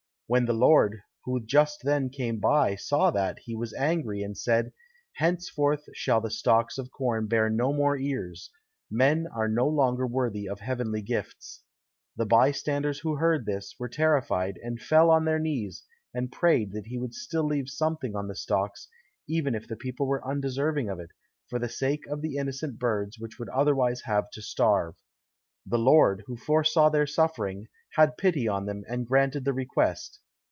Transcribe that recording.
When the Lord, who just then came by, saw that, he was angry, and said, "Henceforth shall the stalks of corn bear no more ears; men are no longer worthy of heavenly gifts." The by standers who heard this, were terrified, and fell on their knees and prayed that he would still leave something on the stalks, even if the people were undeserving of it, for the sake of the innocent birds which would otherwise have to starve. The Lord, who foresaw their suffering, had pity on them, and granted the request.